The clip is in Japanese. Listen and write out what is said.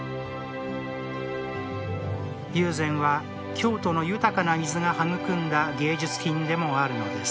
友禅は京都の豊かな水が育んだ芸術品でもあるのです